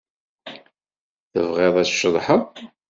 Tebɣiḍ ad tceḍḥeḍ?